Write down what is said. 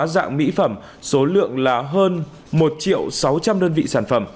dạng mỹ phẩm số lượng là hơn một sáu trăm linh đồng